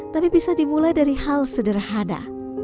tapi bisa dimulai dari hal sederhana